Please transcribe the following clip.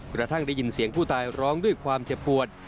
กระทั่งได้ยินเสียงผู้ตายร้องด้วยความเจ็บปวด